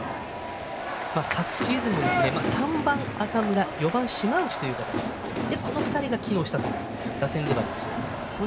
昨シーズンも３番・浅村４番・島内というこの２人が機能したという打線でした。